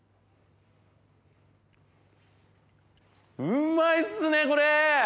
うまいっすねこれ！